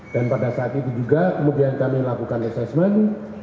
dan pada saat itu juga kemudian kami lakukan assessment